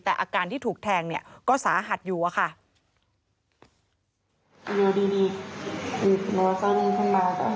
แต่อาการที่ถูกแทงเนี่ยก็สาหัสอยู่อะค่ะ